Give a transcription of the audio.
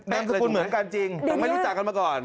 นามสกุลเหมือนกันจริงไม่รู้จักกันมาก่อน